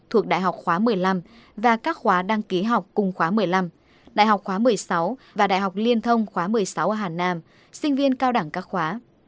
thuộc đại học khóa một mươi năm và các khóa đăng ký học cùng khóa một mươi năm đại học khóa một mươi sáu và đại học liên thông khóa một mươi sáu ở hàn nam sinh viên cao đẳng các khóa